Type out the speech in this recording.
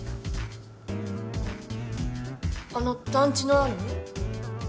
あの団地のある。